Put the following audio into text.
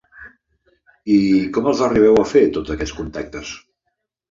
I com els arribeu a fer tots aquests contactes?